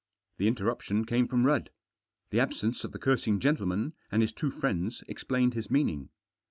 The interruption came from Rudd. The absence of the cursing gentleman, and his two friends, ex plained his meaning.